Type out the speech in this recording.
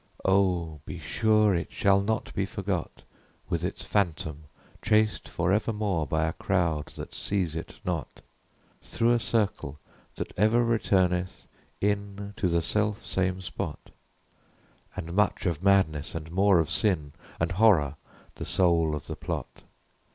oh, be sure It shall not be forgot! With its Phantom chased for evermore By a crowd that seize it not, Through a circle that ever returneth in To the self same spot; And much of Madness, and more of Sin And Horror, the soul of the plot!